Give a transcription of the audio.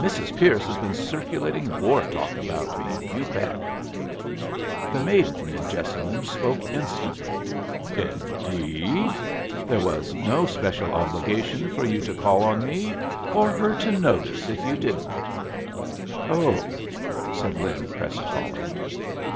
"Mrs. Pierce has been circulating war talk about me, you bet!" The maiden in Jessamine spoke instantly. "Indeed? There was no special obligation for you to call on me, or her to notice if you didn't." "Oh!" said Lin, crestfallen.